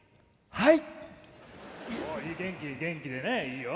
はい。